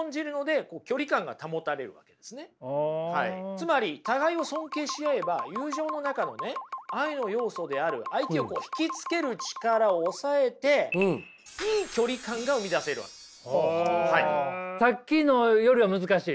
つまり互いを尊敬し合えば友情の中の愛の要素である相手を引きつける力を抑えてさっきのよりは難しい。